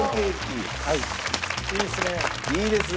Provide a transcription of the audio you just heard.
いいですね。